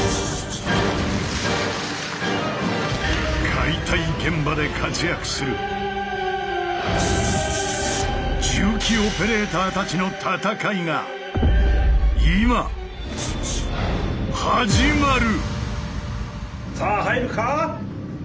解体現場で活躍する重機オペレーターたちの戦いが今始まる！